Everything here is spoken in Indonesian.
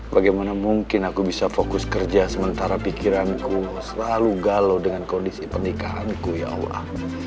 bagaimana mungkin aku bisa fokus kerja sementara pikiranku selalu galau dengan kondisi pernikahanku ya allah